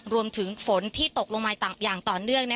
รวมถึงฝนที่ตกลงมาต่อเนื่อง